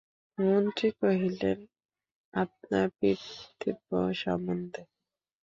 মন্ত্রী কহিলেন, আপনার পিতৃব্য সম্বন্ধে।